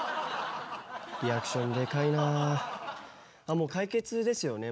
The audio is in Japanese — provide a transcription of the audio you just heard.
もう解決ですよね